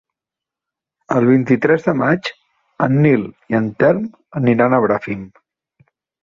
El vint-i-tres de maig en Nil i en Telm aniran a Bràfim.